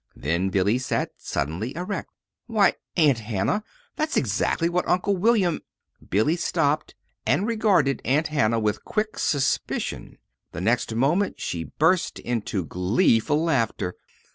Then Billy sat suddenly erect. "Why, Aunt Hannah, that's exactly what Uncle William " Billy stopped, and regarded Aunt Hannah with quick suspicion. The next moment she burst into gleeful laughter.